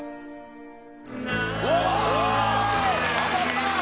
当たった！